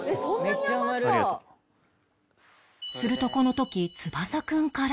するとこの時翼くんから